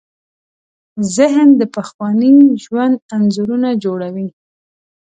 ذهن د پخواني ژوند انځورونه جوړوي.